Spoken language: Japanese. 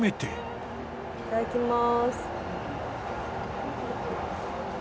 いただきます。